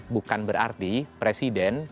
bukan berarti presiden